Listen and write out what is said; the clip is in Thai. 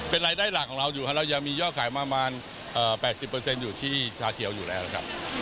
เป็นรายได้หลักของเราอยู่ครับเรายังมียอดขายประมาณ๘๐อยู่ที่ชาเขียวอยู่แล้วครับ